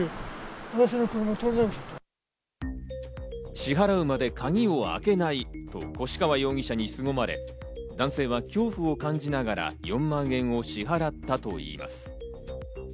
支払うまで鍵を開けないと越川容疑者にすごまれ、男性は恐怖を感じながら４万円を支払ったといいます。